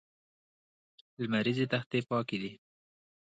لمریزې تختې پاکې دي.